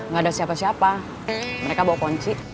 gak ada siapa siapa mereka bawa ponci